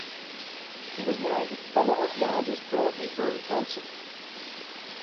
He was married to fellow archaeologist Dorothy Burr Thompson.